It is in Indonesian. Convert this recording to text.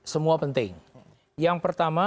semua penting yang pertama